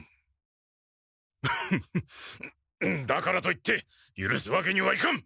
フフフだからといってゆるすわけにはいかん！